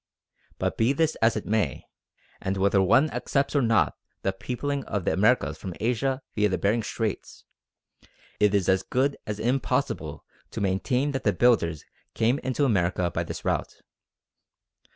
But be this as it may, and whether one accepts or not the peopling of the Americas from Asia via the Behring Straits, it is as good as impossible to maintain that the builders came into America by this route.